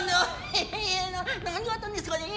「へっへへ何があったんですかね。